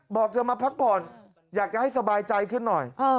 บอกจะมาพักผ่อนอยากจะให้สบายใจขึ้นหน่อย